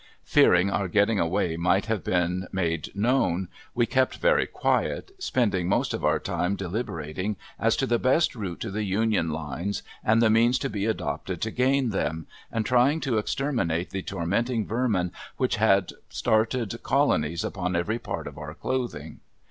Fearing our getting away might have been made known we kept very quiet, spending most our time deliberating as to the best route to the Union lines and the means to be adopted to gain them, and trying to exterminate the tormenting vermin which had started colonies upon every part of our clothing.